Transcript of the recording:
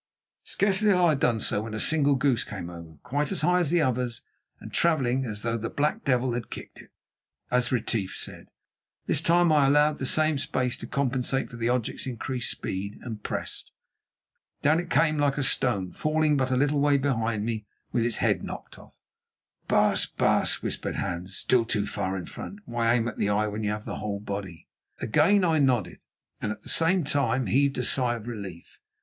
Scarcely had I done so when a single goose came over quite as high as the others and travelling "as though the black devil had kicked it," as Retief said. This time I allowed the same space to compensate for the object's increased speed and pressed. Down it came like a stone, falling but a little way behind me with its head knocked off. "Baas, baas," whispered Hans, "still too far in front. Why aim at the eye when you have the whole body?" Again I nodded, and at the same time heaved a sigh of relief.